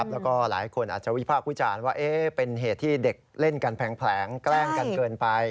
แล้วก็หลายคนอาจจะวิพากษ์วิจารณ์ว่าเป็นเหตุที่เด็กเล่นกันแผลงแกล้งกันเกินไป